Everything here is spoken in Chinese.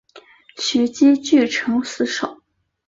徐揖据城死守。